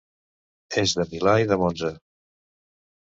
És de Milà i de Monza.